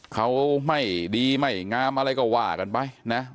เขาไม่ดีไม่งามอะไรก็ว่ากันไปนะ